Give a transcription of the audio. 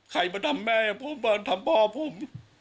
ใครมาทำแม่ผมมาทำพ่อผม